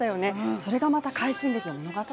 それがまた快進撃に。